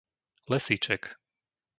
Lesíček